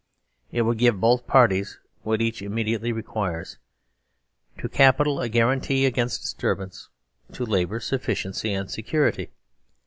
It would give both parties what each immedi ately requires: to capital a guarantee against disturb ance ; to labour sufficiency and security.